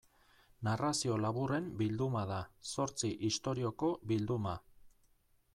Narrazio laburren bilduma da, zortzi istorioko bilduma.